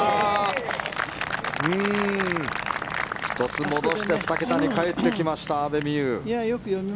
１つ戻って２桁に帰ってきました阿部未悠。